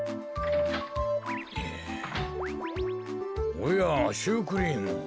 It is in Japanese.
おやシュークリーム。